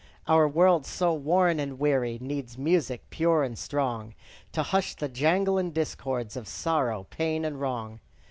Our world, so warn and weary, Needs music, pure and strong, To hush the jangle and discords Of sorrow, pain, and wrong.